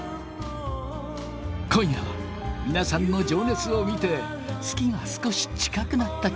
今夜は皆さんの情熱を見て月が少し近くなった気がしました。